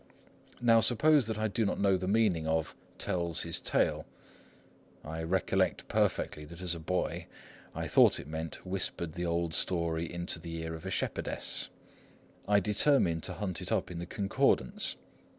Now suppose that I do not know the meaning of "tells his tale." [I recollect perfectly that as a boy I thought it meant "whispered the old story into the ear of a shepherdess."] I determine to hunt it up in the Concordance.